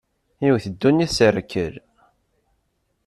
Iwwet ddunit, s rrkel.